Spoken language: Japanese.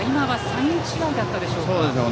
サイン違いだったでしょうか。